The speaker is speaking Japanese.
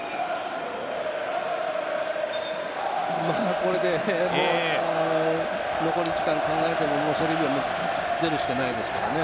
これで残り時間考えてもセルビアが出るしかないですからね。